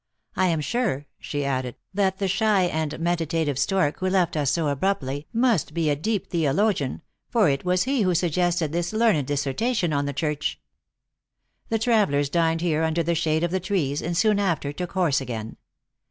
I am sure," she added, " that the shy and meditative stork, who left us so abruptly, must be a deep theolo gian, for it was he who suggested this learned discer tation on the church." The travelers dined here under the shade of the trees, arid soon after took horse again.